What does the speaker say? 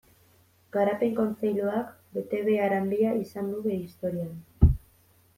Garapen Kontseiluak betebehar handia izan du bere historian.